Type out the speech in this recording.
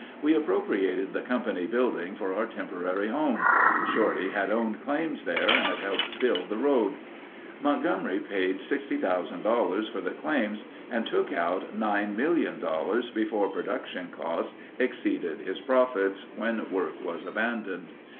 We appropriated the company building for our temporary home. Shorty had owned claims there and had helped build the road. Montgomery paid $60,000 for the claims and took out $9,000,000 before production costs exceeded his profits, when work was abandoned.